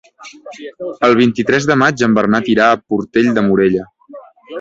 El vint-i-tres de maig en Bernat irà a Portell de Morella.